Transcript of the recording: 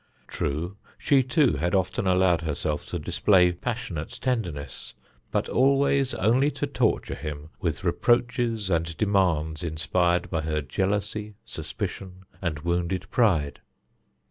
True, she, too, had often allowed herself to display passionate tenderness, but always only to torture him with reproaches and demands inspired by her jealousy, suspicion, and wounded pride.